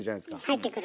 入ってくる。